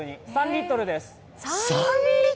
３リットルです。